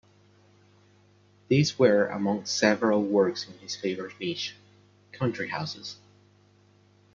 These were among several works in his favoured niche: country houses.